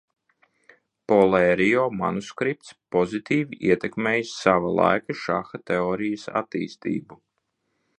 Polērio manuskripts pozitīvi ietekmējis sava laika šaha teorijas attīstību.